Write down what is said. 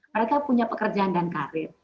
mereka punya pekerjaan dan karir